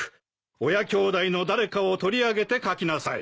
親きょうだいの誰かを取り上げて書きなさい。